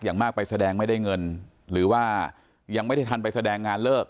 อย่างมากไปแสดงไม่ได้เงินหรือว่ายังไม่ได้ทันไปแสดงงานเลิก